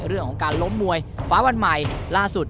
เรื่องของการล้มมวยฟ้าวันใหม่ล่าสุด